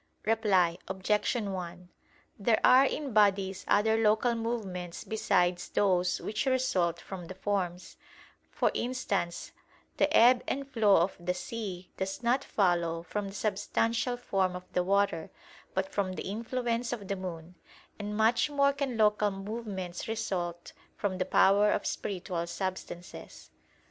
Reply Obj. 1: There are in bodies other local movements besides those which result from the forms; for instance, the ebb and flow of the sea does not follow from the substantial form of the water, but from the influence of the moon; and much more can local movements result from the power of spiritual substances.